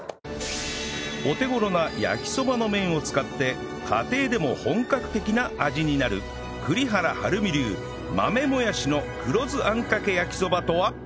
お手頃な焼きそばの麺を使って家庭でも本格的な味になる栗原はるみ流豆もやしの黒酢あんかけ焼きそばとは？